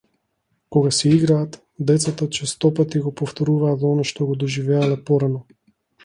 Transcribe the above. Кога си играат, децата честопати го повторуваат она што го доживеале порано.